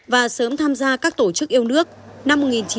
và sớm tham gia các tổ chức yêu nước